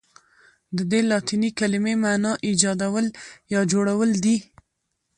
ددې لاتیني کلمې معنی ایجادول یا جوړول دي.